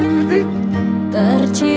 karna dia tak melukai